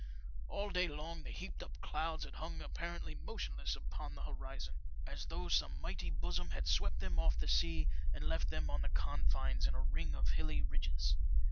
All day long the heaped up clouds had hung apparently motionless upon the horizon, as though some mighty besom had swept them off the sea and left them on the confines in a ring of hilly ridges.